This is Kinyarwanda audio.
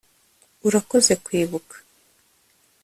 urakoze kwibuka